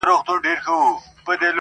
چا ويل چي ستا تر تورو زلفو پرېشان هم يم~